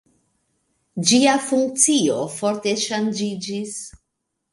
Ĝia funkcio forte ŝanĝiĝis.